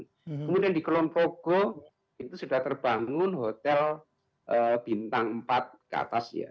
kemudian di kulon poko itu sudah terbangun hotel bintang empat ke atas ya